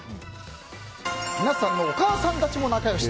皆さんのお母さんたちも仲良し。